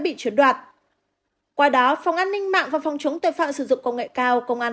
bị chiếm đoạt qua đó phòng an ninh mạng và phòng chống tội phạm sử dụng công nghệ cao công an